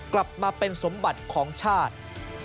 กลับมาเป็นสมบัติของชาติ